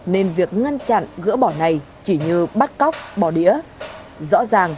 nên việc ngăn chặn gỡ bỏ này chỉ như bắt cóc bỏ đĩa